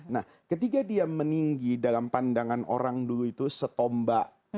nah ketika dia meninggi dalam pandangan orang dulu itu setomba